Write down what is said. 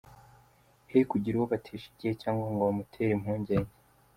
He kugira uwo batesha igihe cyangwa ngo bamutere impungenge.